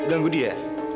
eh lu ganggu dia